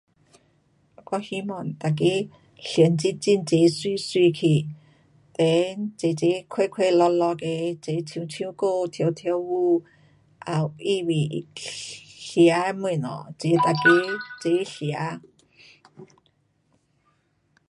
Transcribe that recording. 我希望大家 [unintelligible] 穿得美美去,快快乐乐地唱歌跳舞，准备吃的东西，一起大家一起吃饭